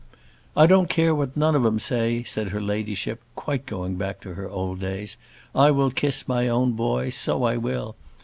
"I don't care what none of 'em say," said her ladyship, quite going back to her old days; "I will kiss my own boy; so I will.